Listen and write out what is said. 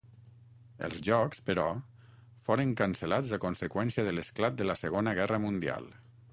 Els Jocs, però, foren cancel·lats a conseqüència de l'esclat de la Segona Guerra Mundial.